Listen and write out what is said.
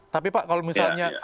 tapi pak kalau misalnya